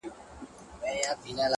• پېړۍ په ویښه د کوډګرو غومبر وزنګول ,